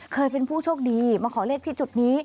เคยเป็นผู้โชคดีมาขอเลขที่จุดนี้